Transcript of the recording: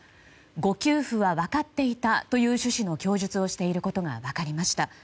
誤給付は分かっていたという趣旨の供述をしていることが分かりました。